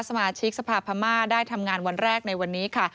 สมาชิกสภาพม่าได้ทำงานวันแรกในวันนี้ค่ะ